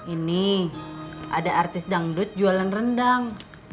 ini ada artis dangdut jualan rendang